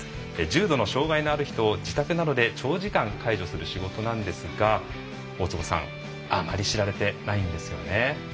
重度の障害のある人を自宅などで長時間介助する仕事なんですが大坪さんあまり知られてないんですよね。